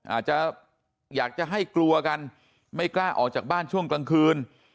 อาจจะอยากจะให้กลัวกันไม่กล้าออกจากบ้านช่วงกลางคืน